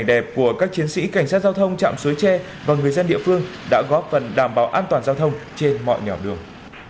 suối tre và người dân địa phương đã góp phần đảm bảo an toàn giao thông trên mọi nhỏ đường